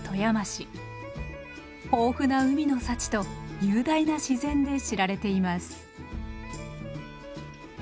豊富な海の幸と雄大な自然で知られています。